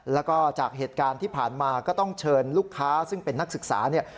แล้วก็จากเหตุการณ์ที่ผ่านมาก็ต้องเชิญลูกค้าซึ่งเป็นนักศึกษาเนี่ย